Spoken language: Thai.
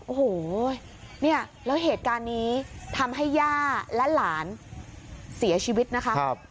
โอ้โหเนี่ยแล้วเหตุการณ์นี้ทำให้ย่าและหลานเสียชีวิตนะคะ